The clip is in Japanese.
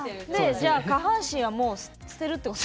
じゃあ下半身はもう捨てるってこと。